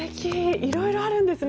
いろいろあるんですね。